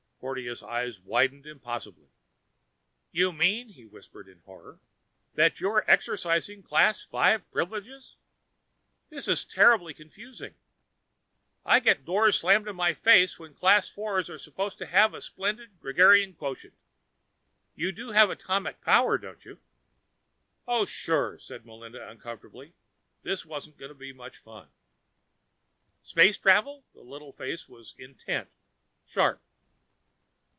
Porteous's eyes widened impossibly. "You mean," he whispered in horror, "that you're exercising Class V privileges? This is terribly confusing. I get doors slammed in my face, when Class Fours are supposed to have a splendid gregarian quotient you do have atomic power, don't you?" "Oh, sure," said Melinda uncomfortably. This wasn't going to be much fun. "Space travel?" The little face was intent, sharp.